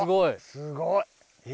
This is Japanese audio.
すごい！え。